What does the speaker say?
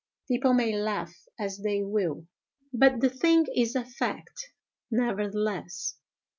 People may laugh as they will, but the thing is a fact, nevertheless.